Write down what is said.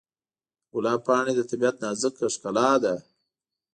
د ګلاب پاڼې د طبیعت نازک ښکلا ده.